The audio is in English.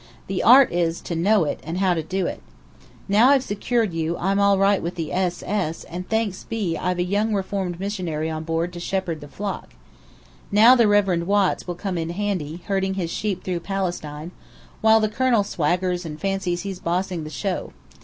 The art is, to know it, and how to do it. Now I've secured you, I'm all right with the S. S. and thanks be, I've a young reformed missionary on board to shepherd the Flock. Now the Reverend Watts will come in handy, herding his sheep through Palestine, while the colonel swaggers and fancies he's bossing the show.